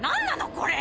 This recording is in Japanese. これ！